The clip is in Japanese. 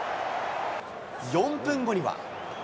４分後には。